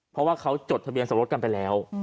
เพราะว่าเขาจดทะเบียนสมรสกันไปแล้ว